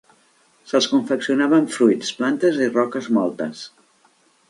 Se'ls confeccionava amb fruits, plantes i roques mòltes.